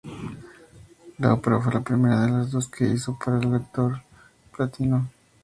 La ópera fue la primera de las dos que hizo para el elector palatino.